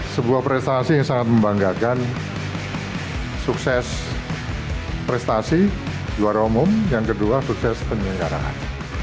sebuah prestasi yang sangat membanggakan sukses prestasi juara umum yang kedua sukses penyelenggaraan